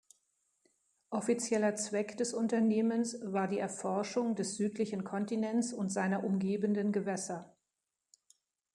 Offizieller Zweck des Unternehmens war die Erforschung des südlichen Kontinents und seiner umgebenden Gewässer.